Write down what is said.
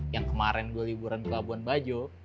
yang kemarin gue liburan ke labuan bajo